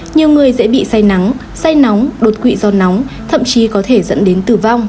nhiều người dễ bị say nắng say nóng đột quỵ do nóng thậm chí có thể dẫn đến tử vong